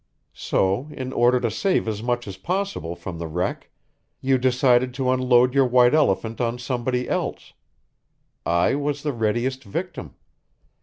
So, in order to save as much as possible from the wreck, you decided to unload your white elephant on somebody else. I was the readiest victim.